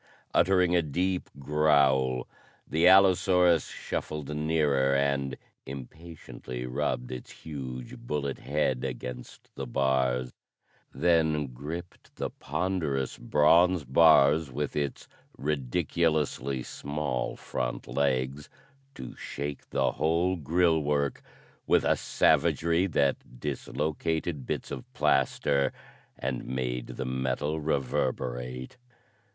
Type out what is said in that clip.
Uttering a deep growl, the allosaurus shuffled nearer, and impatiently rubbed its huge, bullet head against the bars; then gripped the ponderous bronze bars with its ridiculously small front legs to shake the whole grille work with a savagery that dislocated bits of plaster and made the metal reverberate.